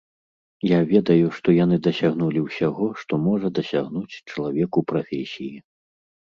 Я ведаю, што яны дасягнулі ўсяго, што можа дасягнуць чалавек у прафесіі.